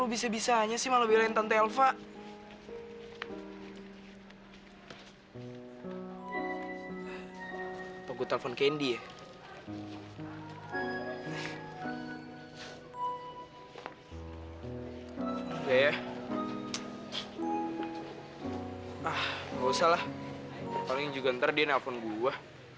palingan juga ntar dia nelpon gue